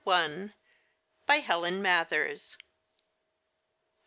BY HELEN MATHERS.